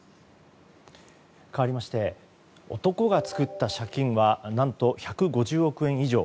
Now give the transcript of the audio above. かわりまして男が作った借金は何と１５０億円以上。